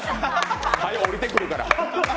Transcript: はよ、おりてくるから。